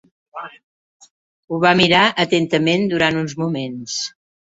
Ho va mirar atentament durant uns moments.